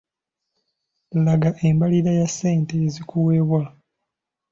Laga embalirira ya ssente ezikuweebwa.